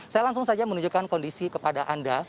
saya langsung saja menunjukkan kondisi kepada anda